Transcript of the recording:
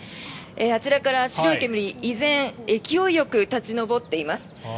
あちらから白い煙が依然、勢いよく立ち上っています。